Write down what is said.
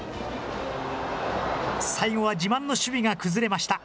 最後は自慢の守備が崩れました。